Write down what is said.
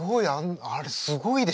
あれすごいでしょ。